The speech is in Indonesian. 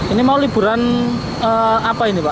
ini mau liburan apa ini pak